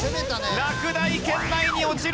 落第圏内に落ちる！